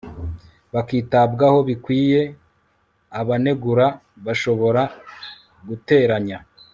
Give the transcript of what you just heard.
bakitabwaho bikwiye, abanegura bashobora guteranya